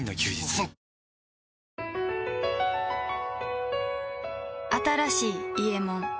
あふっ新しい「伊右衛門」